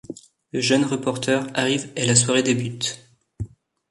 Le jeune reporter arrive et la soirée débute.